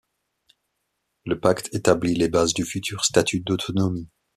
Le pacte établit les bases du futur statut d'autonomie.